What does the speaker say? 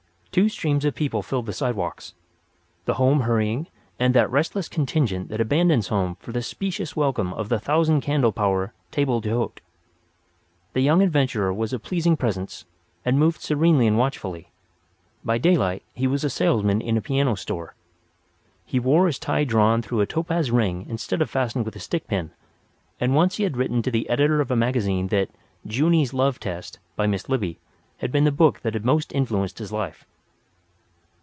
Two streams of people filled the sidewalks—the home hurrying, and that restless contingent that abandons home for the specious welcome of the thousand candle power table d'hôte. The young adventurer was of pleasing presence, and moved serenely and watchfully. By daylight he was a salesman in a piano store. He wore his tie drawn through a topaz ring instead of fastened with a stick pin; and once he had written to the editor of a magazine that "Junie's Love Test" by Miss Libbey, had been the book that had most influenced his life.